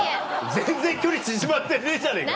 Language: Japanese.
全然距離縮まってねえじゃねぇか！